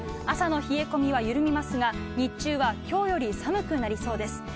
朝の冷え込みは緩みますが日中は今日より寒くなりそうです。